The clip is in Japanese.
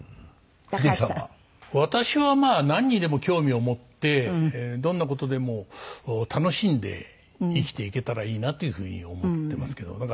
私はまあなんにでも興味を持ってどんな事でも楽しんで生きていけたらいいなというふうに思ってますけど。